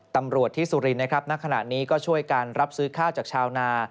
ตำรวจที่สุรินทร์นะครับณขณะนี้ก็ช่วยการรับซื้อข้าวจากชาวนา